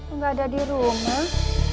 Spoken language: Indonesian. enggak ada di rumah